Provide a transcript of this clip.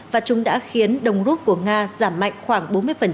và chúng đã khiến đồng rút của nga giảm mạnh khoảng bốn mươi